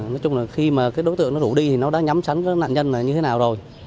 nói chung là khi mà cái đối tượng nó rủ đi thì nó đã nhắm sắn với nạn nhân là như thế nào rồi